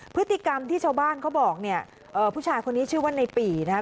พฤติกรรมที่ชาวบ้านเขาบอกเนี่ยผู้ชายคนนี้ชื่อว่าในปี่นะครับ